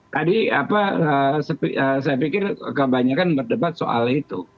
tadi apa saya pikir kebanyakan berdebat soal itu